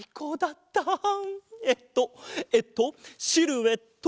えっとえっとシルエット！